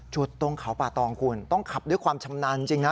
ตรงเขาป่าตองคุณต้องขับด้วยความชำนาญจริงนะ